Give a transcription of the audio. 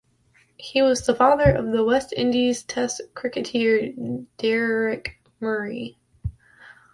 He was the father of the West Indies Test cricketer Deryck Murray.